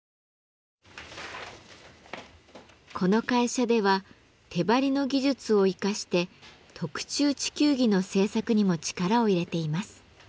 この会社では手貼りの技術を生かして特注地球儀の制作にも力を入れています。